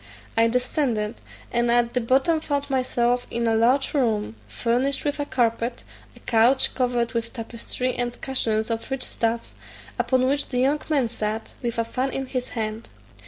I descended, and at the bottom found myself in a large room, furnished with a carpet, a couch covered with tapestry, and cushions of rich stuff, upon which the young man sat, with a fan in his hand.